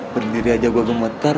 berdiri aja gue gemeter